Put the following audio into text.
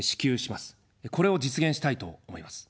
これを実現したいと思います。